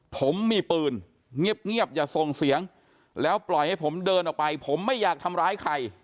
ผมมีปืนเงียบอย่าส่งเสียงแล้วปล่อยให้ผมเดินออกไปผมไม่อยากทำร้ายใคร